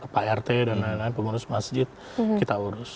pak rt dan lain lain pengurus masjid kita urus